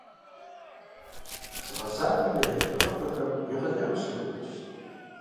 Згъасэхэм я ехъулӀэныгъэхэм егъэлеяуэ сыщогуфӀыкӀ.